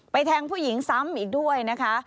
แทงผู้หญิงซ้ำอีกด้วยนะคะ